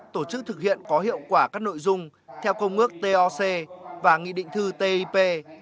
tổ chức thực hiện có hiệu quả các nội dung theo công ước toc và nghị định thư tip